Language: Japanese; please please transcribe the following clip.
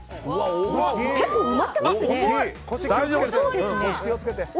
結構埋まってますね。